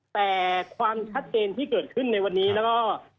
แต่ความชัดเจนที่เกิดขึ้นในวันนี้แล้วก็